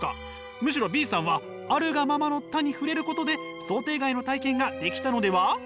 むしろＢさんは「あるがままの多」に触れることで想定外の体験ができたのでは？